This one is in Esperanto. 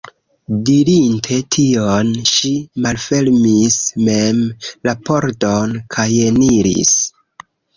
Dirinte tion, ŝi malfermis mem la pordon kajeniris.